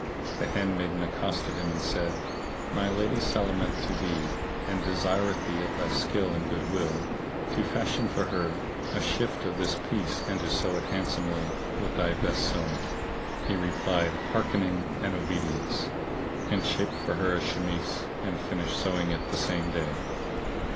The handmaid accosted him and said, "My lady salameth to thee and desireth thee, of thy skill and good will, to fashion for her a shift of this piece and to sew it handsomely with thy best sewing. He replied, "Hearkening and obedience"; and shaped for her a chemise and finished sewing it the same day.